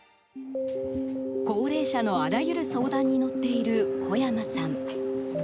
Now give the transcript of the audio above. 高齢者のあらゆる相談に乗っている、小山さん。